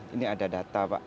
ini ada data pak